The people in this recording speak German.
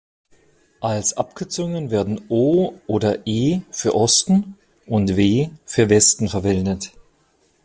Als Abkürzungen werden "O" oder "E" für „Osten“ und "W" für „Westen“ verwendet.